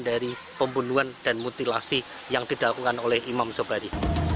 dari pembunuhan dan mutilasi yang dilakukan oleh imam sobari